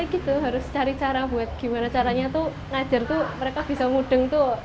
gitu harus cari cara buat gimana caranya tuh ngajar tuh mereka bisa mudeng tuh